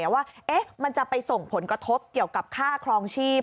ว่ามันจะไปส่งผลกระทบเกี่ยวกับค่าครองชีพ